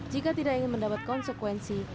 jika tidak ingin mendapat konsekuensi